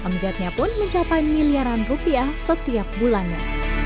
mz nya pun mencapai miliaran rupiah setiap bulannya